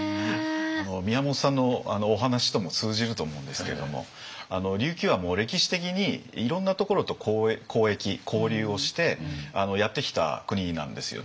宮本さんのお話とも通じると思うんですけれども琉球は歴史的にいろんなところと交易交流をしてやってきた国なんですよね。